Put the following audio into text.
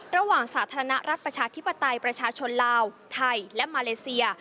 สาธารณรัฐประชาธิปไตยประชาชนลาวไทยและมาเลเซีย